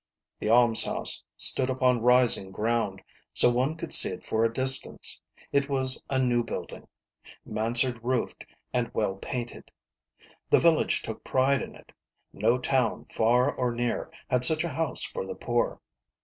The almshouse stood upon rising ground, so one could see it for a long distance. It was a new build ing, Mansard roofed and well painted. The village took pride in it : no town far or near had such a house for the poor.